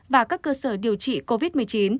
và các cơ sở điều trị covid một mươi chín